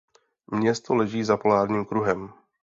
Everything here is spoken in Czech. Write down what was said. Město leží za polárním kruhem.